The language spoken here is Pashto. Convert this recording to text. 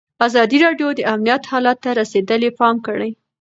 ازادي راډیو د امنیت حالت ته رسېدلي پام کړی.